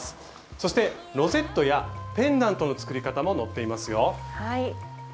そしてロゼットやペンダントの作り方も載っていますよ。